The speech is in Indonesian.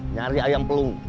nyari ayam pelung